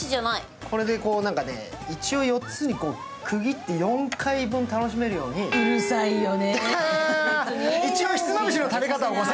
これで一応４つに区切って４回分楽しめるようにうるさいよね。